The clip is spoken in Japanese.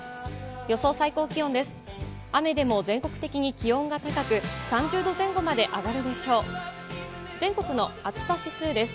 予想最高気温です。